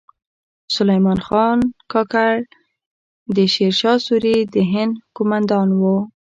سلیمان خان کاکړ د شیر شاه سوري د هند کومندان و